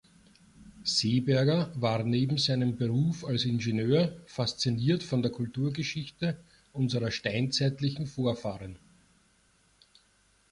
Seeberger war neben seinem Beruf als Ingenieur fasziniert von der Kulturgeschichte unserer steinzeitlichen Vorfahren.